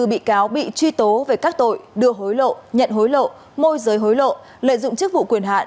hai mươi bị cáo bị truy tố về các tội đưa hối lộ nhận hối lộ môi giới hối lộ lợi dụng chức vụ quyền hạn